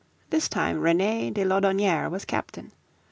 This time Reté de Laudonnière was captain.